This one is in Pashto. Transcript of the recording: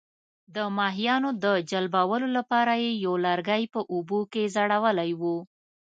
د ماهیانو د جلبولو لپاره یې یو لرګی په اوبو کې ځړولی وو.